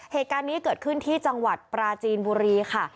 เหตุการณ์นี้เกิดขึ้นที่จังหวัดปราจีนบุรีค่ะ